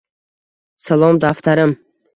Salom, daftarim –